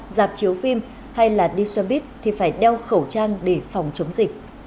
dạp chiếu phim hay đi xoay bít thì phải đeo khẩu trang để phòng chống dịch